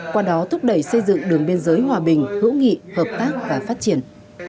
qua đó thúc đẩy xây dựng đường biên giới hòa bình hữu nghị hợp tác và phát triển